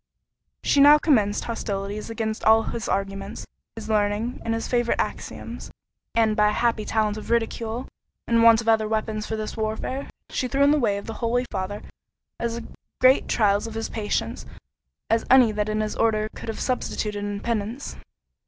She now commenced hostilities against all his arguments, his learning, and his favourite axioms; and by a happy talent of ridicule, in want of other weapons for this warfare, she threw in the way of the holy Father as great trials of his patience, as any that his order could have substituted in penance.